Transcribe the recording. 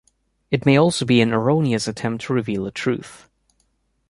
It may also be an erroneous attempt to reveal a truth.